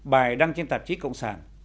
bài đăng trên tạp chí cộng sản